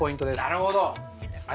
なるほど！